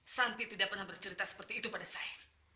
santi tidak pernah bercerita seperti itu pada saya